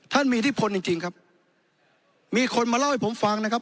ท่านมีอิทธิพลจริงจริงครับมีคนมาเล่าให้ผมฟังนะครับ